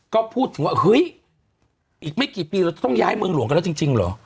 ก็พูดถึงว่าเฮ้ยอีกไม่กี่ปีเราต้องย้ายเมืองหลวงกันแล้วจริงเหรอ